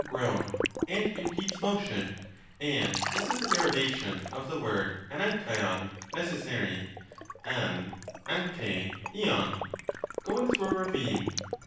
grown, and impedes motion — and this is the derivation of the word di'ajKalov (necessary) dv' dyni] Ibv, going through a ravine.